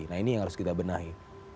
nah ini yang harus kita benahi